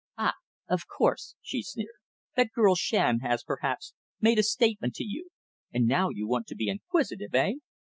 "Ah! of course," she sneered. "That girl Shand has, perhaps, made a statement to you, and now you want to be inquisitive, eh?